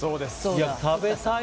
食べたい。